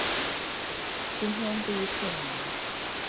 今天第一次來